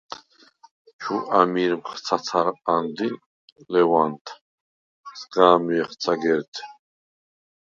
ჩუ ამირმხ თათარყანდ ი ლეუ̂ანდ, სგა̄მჲეხ ცაგერთე.